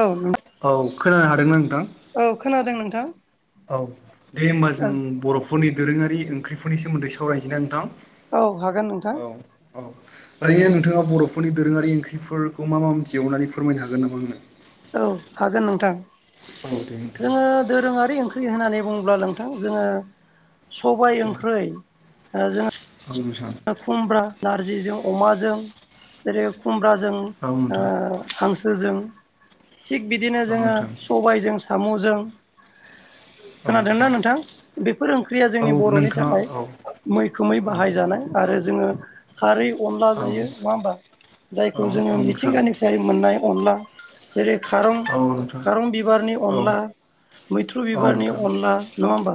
औ नं औ खोनानो हादों ना नोंथां? औ खोनादों नोंथां। औ दे होमबा औ जों बरफोरनि दोरोङारि ओंख्रिफोरनि सोमोन्दै सावरायनोसै ना नोंथां। औ हागोन औ नोंथां। औ ओरैनो नोंथाङा बरफोरनि दोरोङारि ओंख्रिफोरखौ मा मा मिथियो अननानै फोरमायनो हागोन नामा आंनो? औ हागोन नोंथां। औ दे नोंथां जोङो दोरोङारि ओंख्रि होननानै बुङोब्ला नोंथां जोङो सबाय औ ओंख्रै ओ जोङो औ नोंथां खुमब्रा नारजिजों अमाजों जेरै खुमब्रा जों औ नोंथां औ ओ नोंथां हांसोजों थिग बिदिनो जोङो सबायजों सामजों। खोनादोंना नोंथां बेफोर ओंख्रिया औ जोंनि बरनि नोंथाङा थाखाय औ मैखोमै औ बाहायजानाय। आरो जोङो खारै अनला औ नोंथां औ नोंथां औ नोंथां जायो नङा होमबा औ जायखौ जोङो नोंथां मिथिंगानिफ्राय मोननाय अनला जेरै खारं खारं बिबारनि अनला‌। मैथ्रु बिबारनि अनला नङा होमबा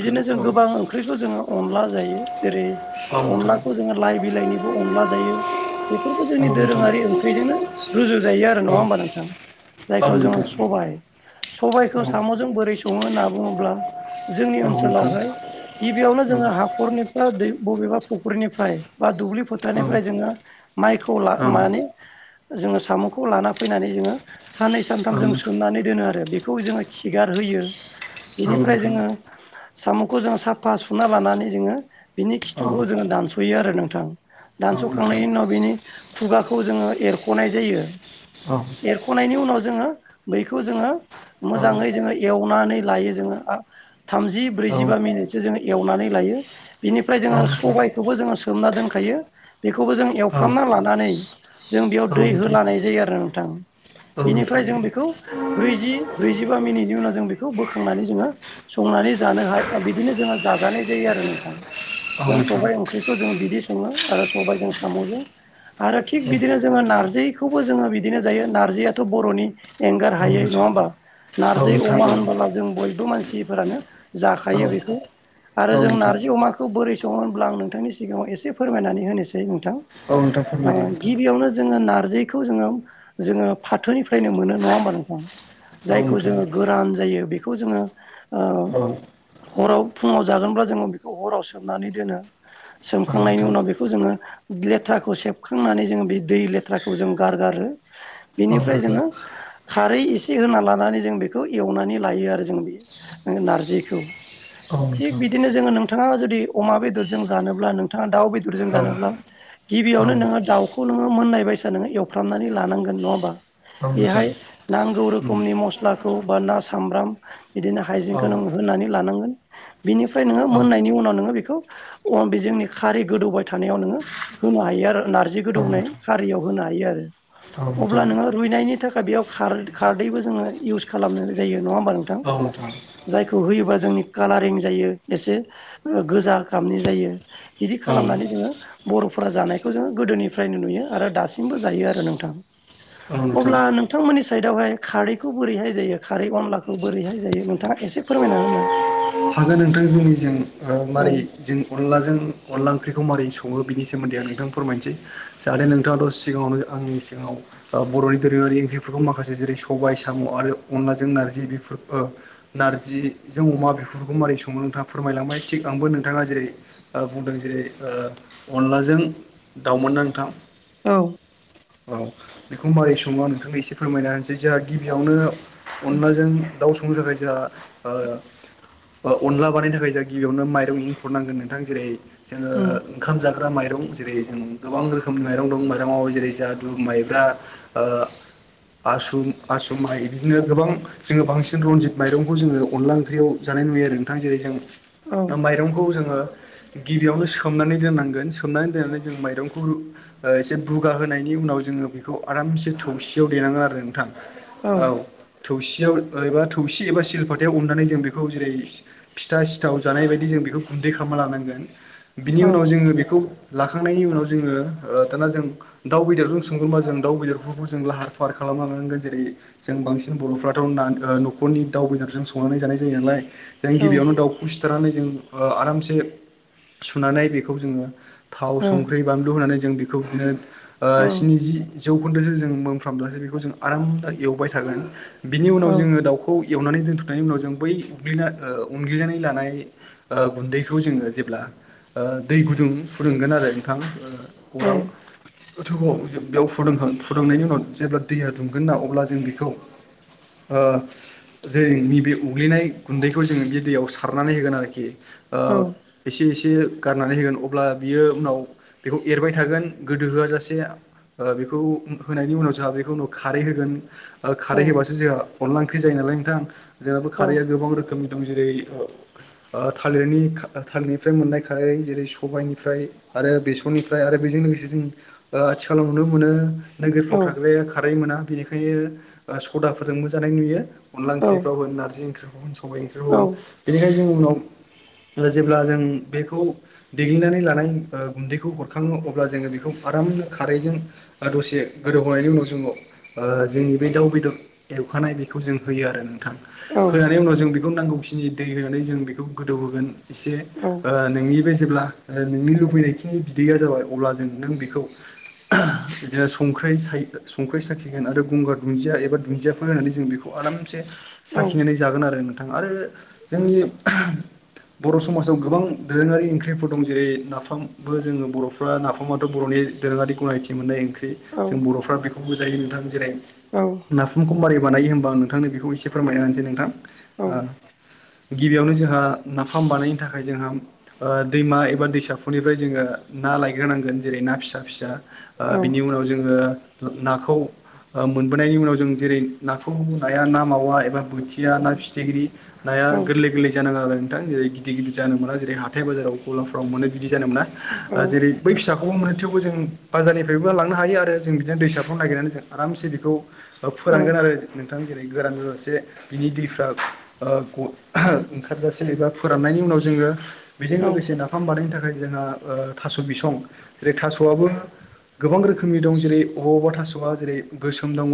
इदिनो जों औ गोबां ओंख्रिखौ जोङो अनला जायो जेरै औ नोंथां अनलाखौ जोङो लाइ बिलाइनिबो अनला जायो। बेफोरबो औ जोंनि दोरोङारि नोंथां ओंख्रिजोंनो रुजुजायो आरो नङा होमबा नोंथां। औ जायखौ जोङो औ सबाय नोंथां औ सबायखौ सामजों बोरै सङो होनना बुङोब्ला जोंनि औ नोंथां ओनसोलावहाय गिबियावनो जोङो हाखरनिफ्राय दै बबेबा फुख्रिनिफ्राय बा दुब्लि औ औ फोथारनिफ्राय जोङो माइखौ ला औ माने जोङो साम'खौ लाना फैनानै जोङो सानै सानथाम जों नोंथां सोमनानै दोनो आरो बे । खौ जोङो खिगार होयो औ बेनिफ्राय जोङो साम'खौ जोङो साफा सुना लानानै जोङो बिनि औ खिथुखौ जोङो दानस'यो आरो नोंथां । नोंथां दानस'खांनायनि उनाव बिनि खुगाखौ जोङो एरख'नाय जायो। औ एरख'नायनि उनाव जोङो बैखौ जोङो औ मोजाङै जोङो एवनानै लायो जोङो आ थामजि औ नोंथां औ ब्रैजिबा मिनिटसो जोङो एवनानै लायो। यो बिनिफ्राय नोंथां जोङो सबायखौबो जोङो सोमना दोनखायो बेखौबो जों औ एवफ्रामना लानानै जों बेयाव नोंथां औ नोंथां औ दै नोंथां होनानै जेयो आरो नोंथां। औ नोंथां बेनिफ्राय जों बेखौ ब्रैजि ब्रैजिबा मिनिटनि उनाव जों बेखौ बोखांनानै जोङो संना नानै जानो हाय ओ बिदिनो जोंङो जाजानाय जायो आरो नोंथां। [unintelligible] जों सबायाइ ओंख्रिखौ जों बिदि सङो आरो सबायजों साम'जों आरो थिग बिदिनो जोङो नारजि खौबो जोङो बिदिनो जायो नारजियाथ' बर'नि एंगार औ हायै नङा होमबा । नारजि अमा होनबोला जों बय बो मानसिफोरानो जाखायो बेखौ औ आरो जों नोंथां नारजि अमाखो खौ बोरै सङो होनब्ला आं नोंथांनि सिगाङाव एसे फोरमायनानै होनोसै नोंथां। औ नोंथां ओ फोरमायदो नोंथां गिबियावनो जोङो नार जिखौ जोङो, जोङो फाथोनिफ्रायनो मोनो नङा होमबा नोंथां । औ जायखौ नोंथां जोङो गोरान जायो । बेखौ जोङो ओ औ हराव फुङाव जागोनबा जोङो बेखौ हराव सोम मनानै दोनो औ सोमखांनायनि नोंथां उनाव बेखौ जोङो लेथ्राखौ सेबखांनानै जोङो बि दै लो लेथ्राखौ जों गारगारो औ बेनिफ्राय नोंथां जोहों खारै एसे होना लानानै जों बेखौ एवनानै लायो आरो जों बे ओ नारजिखौ औ नोंथां औ थिग नोंथां बिदिनो जोङो नोंथाङा जुदि अमा बेदरजों जानोब्ला नोंथाङा दाउ बेदरजों जानोब्ला औ नोंथां औ गिबियावनो नोङो दाउखौ नोङो मोननाय बाय [inaudible] नोङो एवफ्रामनानै लानांगोन नङा होनबा नोंथां बेहाय नांगौ रोखोमनि मस्लाखौ बा ना बा सामब्राम बिदिनो हायजेंखौ नों होनानै लानांगोन बिनिफ्राय नोङो मोननायनि उनाव नोङो बिखो खौ अन बे जोंनि खारै गोदौबाय थानायाव नोङो होनो हायो आरो नारजि औ गोदौनाय खारैयाव होनो हायो आरो अब्ला नोङो रुइनायनि थाखाय बेयाव खारै खारदैबो जोङो इउस खालामनो जायो होयो नङा होनबा नोंथां जायखौ होयोबा जोंनि कालारिं जायो एसे ओ गोजा खालामनाय जायो बिदि औ खालामनानै जोङो बर'फोरा जानायखौ जोङो गोदोनि फ्रायनो नुयो आरो दासिम बो जायो आरो नोंथां । अब्ला नोंथां मोननि साइदाव हाय खारैखौ बोरैहाय जायो खारै अनलाखौ बोरैहाय जायो नोंथाङा ऐसे से फोरमायना होनो [inaudible] हागोन नोंथां जोंनिजों ओ औ मारै जों अनलाजों अनला ओंख्रिखौ मारै सङो बिनि सोमोन्दै आं नोंथां फोरमायनोसै जाहाथे नोंथाङाथ' सिगाङावनो आंनि सिगाङाव अ बर'नि दोरोङारि ओंख्रि फोरखौ माखासे जेरै सबाय, साम' आरो अनलाजों नारजि बेफोर ओ ओ नारजि जों अमा बेफोरखौ मारै सङो? मो नोंथाङा फोरमाय लांबाय थिग आंबो नोंथाङा जेरै आ बुंदों जेरै ओ अनलाजों दाउमोन ना नोंथां? औ औ बेखौ मारै सङो आं नोंथांनो एसे फोरमायना होनोसै जोंहा गिबियावनो अनलाजों दाउ संनो थाखाय जोंहा अ अनला बानायनो थाखाय जाहा गिबियावनो माइरं एंखुर नांगोन नोंथां जेरै जोङो उम ओंखाम जाग्रा माइरं जेरै जों गोबां रोखोमनि माइरं दं माइरंआव जेरै जाहा बो माइब्रा ओ आसुम आसुमाइ इदिनो गोबां जोङो बांसिन रनजित माइरंखौ जोङो अनला ओंख्रियाव जा नाय नुयो आरो नोंथां जेरै जों माइरंखौ जोङो गिबियावनो सोमनानै दोननांगोन सोमनानै दोननानै जों माइरंखौ ओ एसे बुगा होनाय नि उनाव जोङो बेखौ आरामसे थौसियाव देेनांगोन आरो नोंथां औ थौसियाव एबा थौसि एबा सिलपाथायाव अननानै जों बेखौ जेरै फिथा सिथाव जानाय बायदि जों बेखौ गुन्दै खालामना लानांगोन। बिनि औ उनाव जोङो बेखौ लाखांनायनि उनाव जोङो ओ दाना जों दाउ बेदरजों संगोनबा जों दाउ बेदरफोरखौ जों लाहार फाहार खालामलांनांगोन जेरै जों बांसिन बर'फ्राथ' न'खरनि दाउ बेदरजों संनानै जानाय जायो नालाय जों औ गिबियावनो दाउखौ सिथारनानै जों ओ आरामसे सुनानै बेखौ जोङो थाव औ संख्रि बानलु होनानै जों बेखौ बिदिनो ओ औ स्निजि जौखोन्दोसो जों मोनफ्राम दसो बेखौ जों आराम एवबाय थागोन। बिनि उनाव जोङो दाउखौ एवनानै दोनथ' नायनि उनाव जों बै उग्लि ओ उनग्लिनानै लानाय ओ गुन्दैखौ जोङो जेब्ला ओ दै गुदुं फुदुंगोन आरो नोंथां औ अराव गोथौआव बेयाव फुदुंनायनि उनाव जेब्ला दैया दुंगोन ना अब्ला जों बेखौ ओ जों नैबे उग्लिनाय गुन्दैखौ जोङो बे दैयाव सारनानै होगोन आरोखि ओ औ एसे एसे गारनानै होगोन अब्ला बियो उनाव बेखौ एरबाय थागोन गोहोआ जासेनो ओ बेखौ होनायनि उनाव जोंहा बेखौ खारै होगोन। ओ औ खारै होबासो जोंहा अनला ओंख्रि जायो नालाय नोंथां जेनेबा औ खारैया गोबां रोखोमनि दं जेरै ओ थालिरनि थालिरनिफ्राय मोननाय खार जेरै सबायनिफ्राय आरो बेसरनिफ्राय आरो बेजों लोगोसे जों ओ आथिखालाव नुनो मोनो औ नोगोरफ्राव थाग्राया खारै मोना बेनिखायनो सदाफोरजोंबो जानाय नुयो अनला ओंख्रिफ्रावबो नारजि ओंख्रिफ्राव खबबाय औ ओंखारबावगोन बेनिखायनो जों उनाव जेब्ला जों बेखौ देग्लिनानै लानाय ओ गुन्दैखौ हरखाङो अब्ला जोङो बेखौ आरामनो खारैजों ओ दसे गोदौहरनायनि उनाव जोङाव ओ जोंनि बे दाउ बेदर ए अखानाय बेखौ जों होयो आरो नों थां होनानै उनाव जों बेखौ नांगौखिनि दै होनानै जों बेखौ गोदौ होगोन एसे औ ओ नोंनि बे जेब्ला ओ नोंनि लुबैनायखिनि बिदैया जाबाय अब्ला जों नों बेखौ [inaudible] बिदिनो संख्रै संख्रै साखिगोन आरो गंगार दुन्दिया एबा दुन्दियाफोर होननानै जों बेखौ आरामसे औ साखिनानै जागोन आरो नोंथाङा आरो जोंनि बर' समाजाव गोबां दोरोङारि ओंख्रिफोर दं जेरै नाफामाबो जोङो बर'फ्रा नाफामा दं। बर'नि दोरोङारि गनायथि मोननाय ओंख्रि जों बर'फ्रा बेखौबो जायो नोंथां जेरै नाफामखौ मारै बानायो होनबा आं नोंथांनो बेखौ एसे फोरमायना होनोसै नोंथां ओ गिबियावनो जोंहा नाफाम बानायनो थाखाय जोंहा दैमा एबा दैसाफोरनिफ्राय जोङो ना लायग्रोनांगोन जेरै ना फिसा फिसा ओ बिनि उनाव जोङो नाखौ ओ मोनबोनायनि उनाव जों जेरै नाखौ लनाया ना मावा एबा बोथिया ना फिथिख्रि नाया गोरलै गोरलै जानाङो आरो नोंथां जेरै गिदिर गिदिर जानो मोना जेरै हाथाय बाजाराव गलाफ्राव मोनो बिदि जानो मोना ओ जेरै बै फिसा हागौ मोनो थेवबो जों बाजारनिफ्रायबो लांनो हायो आरो जों बिदिनो दैसाफ्राव नागिरनानै जों आरामसे बेखौ औ फोरानांगोन आरो नोंथां जेरै गोरान जासे बिनि दैफ्रा ओ ओंखारजासे एबा फोराननायनि उनाव उनाव जोङो बेजों लोगोसे नाफाम बानायनो थाखाय ओ जोंहा थास' बिसं जेरै थास'आबो गोबां रोखोमनि दं जेरै बबा अबेबा थास'आ जेरै गोसोम दङ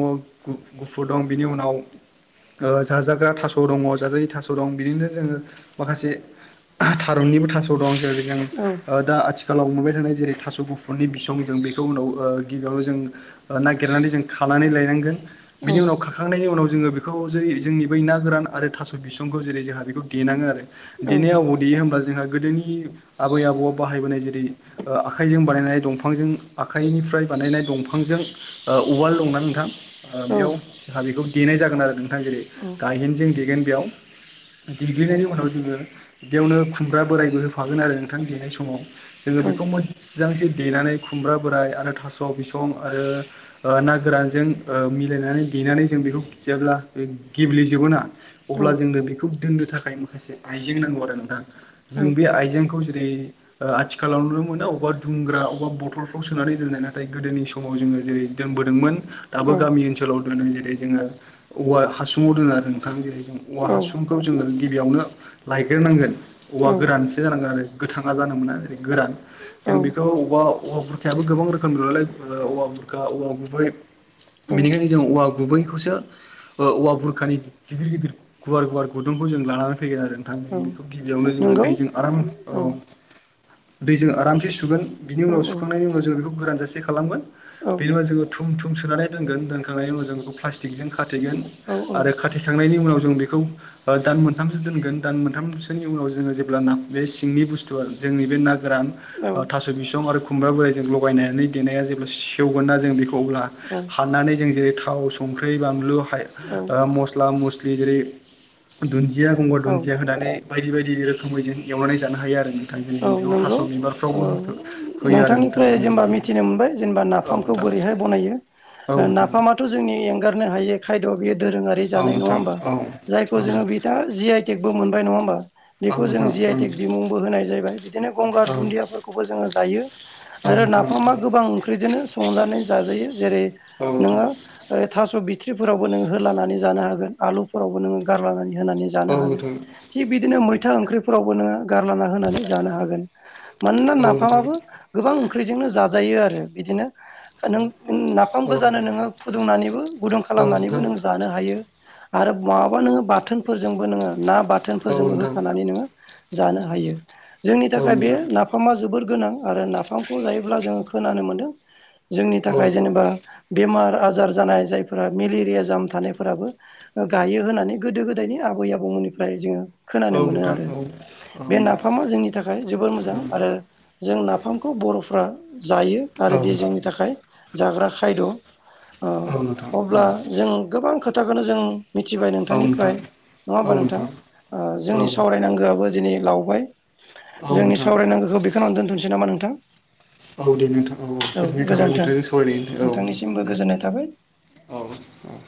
गुफुर दं बिनि उनाव ओ जाजाग्रा थास' दङ जाजायै थास' दं बिदिनो जोङो माखासे थारुननिबो थास' दं जेरै आं औ औ ओ दा आथिखालाव मोनबाय थानाय जेरै थास' गुफुरनि बिसं जों बेखौ उनाव ओ गिबियावनो जों नागिरनानै जों खानानै लायनांगोन। बिनि उनाव औ खारखांनायनि उनाव जोङो बेखौ जेर जोंनि बै ना गोरान आरो थास' बिसंखौ जेरै जोंहा बेखौ देनाङो आरो देनाय आबौ देयो होमब्ला जोंहा गोदोनि आबै आबौआव बाहायबोनाय जेरै ओ आखाइजों बानायनाय दंफांजों आखाइनिफ्राय बानायनाय दंफांजों ओ उवाल दंना नोंथां। ओ बेयाव जोंहा बेखौ देनाय जागोन आरो नोंथां जेरै गायेनजों देगोन बेयाव दग्लिनायनि उनाव जोङो बेयावनो खुमब्रा बोरायबो होफागोन आरो नोंथां देरनाय समाव जोङो बिखौ मो जांसे देनानै खुमब्रा बोराय आरो थास' बिसं आरो ना गोरानजों ओ गेलेनानै दनानै जों बेखौ खिजयाब्ला गेब्ले जोबोना अब्ला जोंनो बेखौ दोननो थाखाय माखासे आयजें नांगौ आरो नोंथाङा जों बे आइजेंखौ ज आथिखालाव नुनो मोन औ अर दुंग्रा अबेबा बथलफ्राव सोनानै दोननाय नाथाय गोदोनि समाव जोङो जेरै दोनबोदोंमोन दाबो गामि ओनसोलाव दोनो जेरै जोङो औवा हासुङाव दोनो आरो ओखां जेरै औवा हासुंखौ जोङो गिबियावनो लायग्रोनांगोन औवा गोरानसो जानांगोन आरो थाङा जानो मोना जेरै गोरान जों बेखौ बबेबाश्र औवा बुरखायाबो गोबां रोखोम नालाय औवा बुरखा औवा गुबै बेनिखायनो जों औवा गुबैखौसो औङऔवा बुरखानि गिदिर गिदिर गुवार गुवार गुदुं खौ जोङो लाङा फैयो आरो नोंथां औ नंगौ औ बेखौ सुरि सुगोन बिनि औ उनाव सुखांनायनि उनाव जों बेखौ गोरान जासे खालामग औ बे उाव जोङो थुम थुम सोनानै दोनगोन दोनखांनायनि उनाव जों बेखौ प्लास्टिकजों खाथेगोन आरो खाथेखांनायनि उनाव जों बेखौ दान मोनथामसो दोनगोन दान मोनथामसोनि उनाव जोङो जेब्ला ना बे सिंनि बुस्थुआ जोंनि बे ना गोरान औ थास' बिसं आरो खुम्ब्रा बोराइजों लगायनानै देनाया जेब्ला सेवगोन ना जों बेखौ अब्ला हाननानै जों जेरै थाव संख्रि बानलु हाय औ ओ मस्लिम स्लि जेरै दुन्दिया गंगार औ दुन्दिया होनानै बायदि बायदि रोखोमै जों एवनानै जानो हायो आरो औ [unintelligible] बेयाव नंगौ थास' बिबार औ नोंथांनिफ्राय जेनेबा मिथिनो मोनबाय जेनेबा नाफामखौ बोरैहाय बनायो औ नोंथां औ ओ नोंथां औ नाफामाथ' जोंनि एंगारनो हायि खायद' बेयो दोरोङारि औ जानाय नङा नोंथां होमबा औ जायखौ जोङो बिथा जि आइटेकबो मोनबाय नङा होमबा औ बिखौ जों नोंथां जि आइ टिक बिमुं होनाय ज बिदिनो गंगार औ नोंथां औ दुनदियाफोरखौबो जों जायो आरो नाफामा गोबां ओंख्रिजोंनो संजानाय जा यो जेरै नोंथां औ नोंथां नोङो थास'बि फोरावबो होलानानै जानो हागोन आलुफोरावबो नोङो गारलनानै होनानै औ जानो नोंथां औ नोंथां हागोन थिग बिदिनो मैथा ओंख्रिफोरावबो नोङो गारा होनानै ज हागोन मानोना औ नोंथां नाफामाबबो गोबां ओंख्रिजोंनो जाजायो आरो बिदिनो नों नाफाम औ गोजानो नोङो फुदुंनानैबो गुदुं औ नोंथां खालामनानैबो नों जानो हायो आरो मङाबा नोङो बाथोनफोरजोंबो नोङो ना औ नोंथां औ नोंथां औ बाथोनफोरजोंबो नोंथां औ नोंथां होफानानै नोङो जानो हायो जोंनि थाखाय बे नाफामा जोबोर गोनां आरो नाफामखौ जायोब्ला जोङो खोनानो मोनदों जोंनि थाखाय जेनेबा बेमार आजार जानाय जायफोरा मेलेरिया जाम थानायफोराबो गायो होनानै गोदो गोदायनि आबै आबौमोननिफ्राय जोङो खोनानो मोनो आरो बे नाफामा जोंनि थाखाय जोबोर मोजां आरो जों नाफामखौ बर'फ्रा जायो आरो बे जोंनि थाखाय जाग्रा खायद' अब्ला जों गोबां खोथाखौनो जों मिथिबाय नोंथांनिफ्राय नङा होमबा नोंथां औ जोंनि सावरायनांगौआबो दिनै लावबाय औ जोंनि नोंथां सावरायनांगौखौ बेखौनानै दोनथ'नोसै नामा नोंथां? औ दे नोंथां औ औ गोजोननाय थाबाय नोंजों सावराय औ नोंथांनिसिमबो दे गोजोननाय थाबाय औ औ